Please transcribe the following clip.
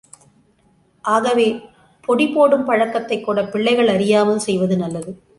ஆகவே, பொடிபோடும் பழக்கத்தைக் கூடப் பிள்ளைகள் அறியாமல் செய்வது நல்லது.